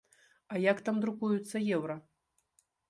А як там друкуюцца еўра?